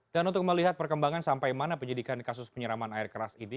untuk melihat perkembangan sampai mana penyidikan kasus penyeraman air keras ini